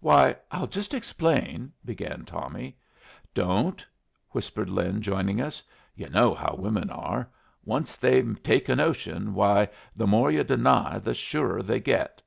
"Why, I'll just explain " began Tommy. "Don't," whispered Lin, joining us. "Yu' know how women are. Once they take a notion, why, the more yu' deny the surer they get.